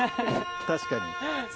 確かに。